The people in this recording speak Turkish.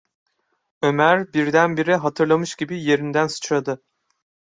Ömer birdenbire hatırlamış gibi yerinden sıçradı: